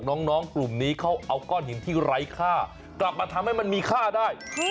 น้องกลุ่มนี้เขาเอาก้อนหินที่ไร้ค่ากลับมาทำให้มันมีค่าได้